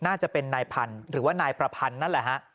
น่าจะเป็นนายพันธุ์หรือว่านายประพันธ์นั่นแหละฮะ